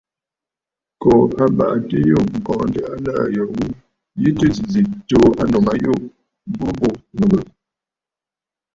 Kǒ abàʼati yû ŋ̀kɔɔntə aləə̀ yo ghu, ǹyi tɨ yǐ zì ǹtsuu ànnù ma yû bǔ burə ghɨghɨ̀rə̀!